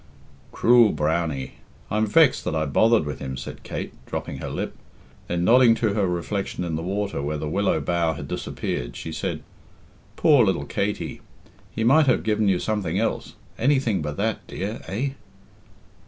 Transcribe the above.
"Cruel Brownie! I'm vexed that I bothered with him," said Kate, dropping her lip. Then nodding to her reflection in the water where the willow bough had disappeared, she said, "Poor little Katey! He might have given you something else. Anything but that dear, eh?"